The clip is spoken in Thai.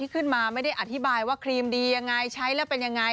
ขึ้นมาไม่ได้อธิบายว่าครีมดียังไงใช้แล้วเป็นยังไง